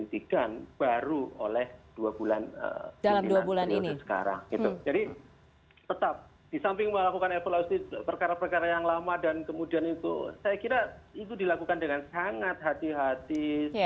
dan disamping melakukan evaluasi perkara perkara yang lama dan kemudian itu saya kira itu dilakukan dengan sangat hati hati